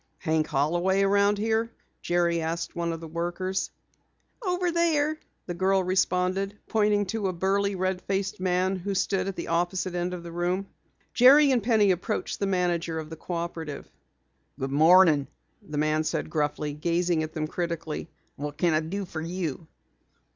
"Hank Holloway around here?" Jerry asked one of the workers. "Over there," the girl responded, pointing to a burly, red faced man who stood at the opposite end of the room. Jerry and Penny approached the manager of the cooperative. "Good morning," the man said gruffly, gazing at them critically. "What can I do for you?"